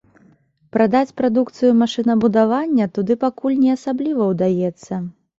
Прадаць прадукцыю машынабудавання туды пакуль не асабліва ўдаецца.